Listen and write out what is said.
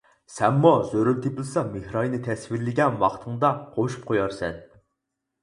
سەنمۇ زۆرۈر تېپىلسا مېھراينى تەسۋىرلىگەن ۋاقتىڭدا قوشۇپ قويارسەن.